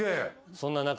そんな中。